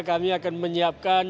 kami akan menyiapkan